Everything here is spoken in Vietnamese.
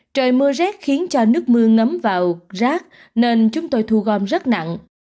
trời mưa rét khiến cho nước mưa ngấm vào rác nên chúng tôi thu gom rất nặng